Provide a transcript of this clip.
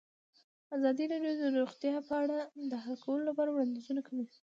ازادي راډیو د روغتیا په اړه د حل کولو لپاره وړاندیزونه کړي.